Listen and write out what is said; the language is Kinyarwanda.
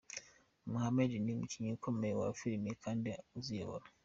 Muhammed ni umukinnyi ukomeye wa filime kandi uziyobora.